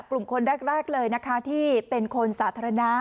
กลุ่มคนแรกเลยนะคะที่เป็นคนสาธารณะ